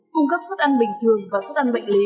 cung cấp suất ăn bình thường và suất ăn bệnh lý